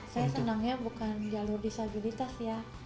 saya senangnya bukan jalur disabilitas ya